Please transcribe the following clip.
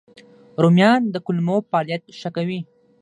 رومیان د کولمو فعالیت ښه کوي